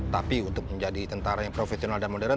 tapi untuk menjadi tentara yang profesional dan modern